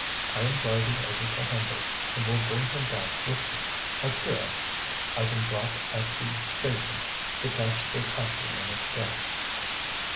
I am driving over to Hendle, and will bring him back with me. Akira I can drop at the station to catch the afternoon express."